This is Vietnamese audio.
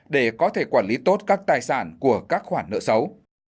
để có thể quản lý tốt các tài sản của các khoản nợ xấu